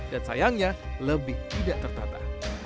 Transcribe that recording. dan sayangnya lebih tidak tertata